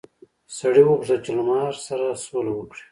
سړي وغوښتل چې له مار سره سوله وکړي.